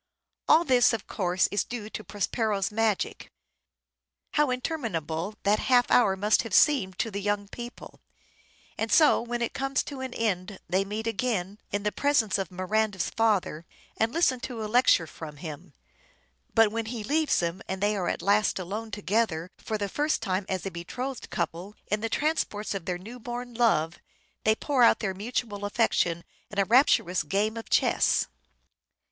All this, of course, is due to Prospero's magic. How interminable that half hour must have seemed to the young people ! And so, when it comes to an end, they meet again, in the presence of Miranda's father, and listen to a lecture from him ; but when he leaves them, and 516 "SHAKESPEARE" IDENTIFIED they are at last alone together, for the first time as a betrothed couple, in the transports of their new born love they pour out their mutual affection in a rapturous game of chess.